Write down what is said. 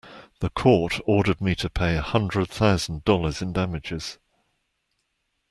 The court ordered me to pay a hundred thousand dollars in damages.